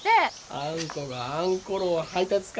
あんこがあんころを配達か。